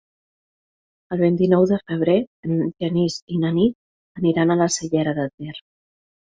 El vint-i-nou de febrer en Genís i na Nit aniran a la Cellera de Ter.